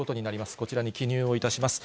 こちらに記入をいたします。